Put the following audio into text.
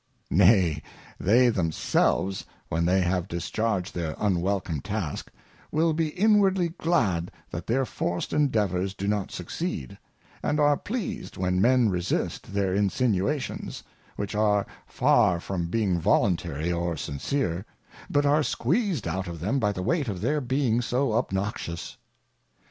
Nay, they themselves, when they have discharged their Unwelcome Task, will be inwardly glad that their forced Endeavours do not succeed, and are pleased when men resist their Insinuations ; which are far from being Voluntary or Sincere, but are squeezed out of them by the weight of their being so Obnoxious.